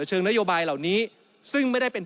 เชิงนโยบายเหล่านี้ซึ่งไม่ได้เป็น